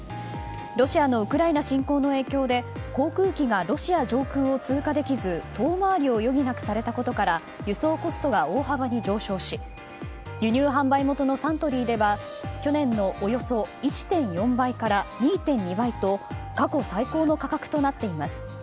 ロシアのウクライナ侵攻の影響で航空機がロシア上空を通過できず遠回りを余儀なくされたことから輸送コストが大幅に上昇し輸入販売元のサントリーでは去年のおよそ１．４倍から２．２倍と過去最高の価格となっています。